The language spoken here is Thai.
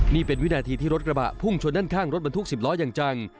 นี่เป็นวินาทีที่รถกระบะพุ่งชนด้านข้างรถบรรทุก๑๐ล้ออย่างจัง